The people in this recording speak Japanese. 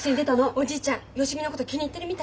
おじいちゃん芳美のこと気に入ってるみたいよ。